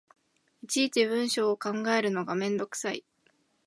いちいち文章を考えるのがめんどくさい